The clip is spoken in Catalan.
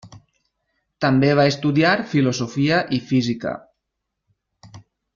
També va estudiar filosofia i física.